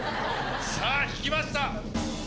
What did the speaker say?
さぁ引きました。